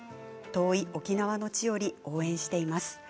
遠い沖縄の地より応援しています。